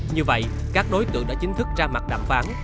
như vậy các đối tượng đã chính thức ra mặt đàm phán